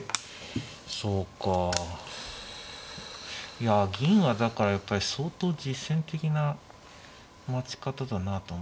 いや銀はだからやっぱり相当実戦的な待ち方だなと。